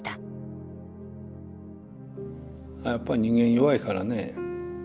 やっぱり人間弱いからね。